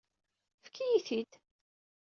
Efk-iyi-t-id!